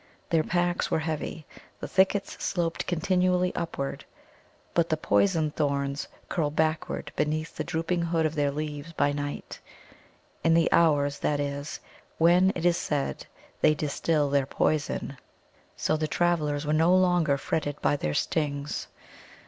Their packs were heavy, the thickets sloped continually upward. But the poison thorns curl backward beneath the drooping hood of their leaves by night in the hours, that is, when, it is said, they distil their poison so the travellers were no longer fretted by their stings.